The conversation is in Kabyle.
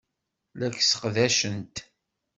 La k-sseqdacent.